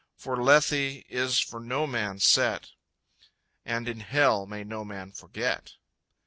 For Lethe is for no man set, And in Hell may no man forget.)